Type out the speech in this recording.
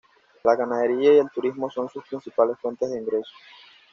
La ganadería y el turismo son sus principales fuentes de ingresos.